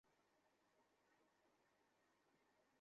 আর কী প্রমাণ দরকার?